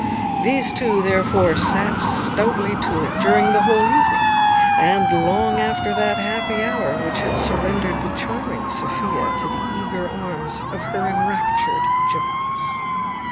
These two, therefore, sat stoutly to it during the whole evening, and long after that happy hour which had surrendered the charming Sophia to the eager arms of her enraptured Jones.